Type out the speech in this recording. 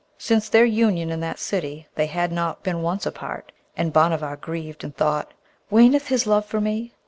Since their union in that city they had not been once apart, and Bhanavar grieved and thought, 'Waneth his love for me?'